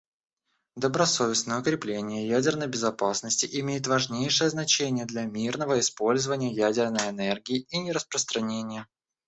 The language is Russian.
Добросовестное укрепление ядерной безопасности имеет важнейшее значение для мирного использования ядерной энергии и нераспространения.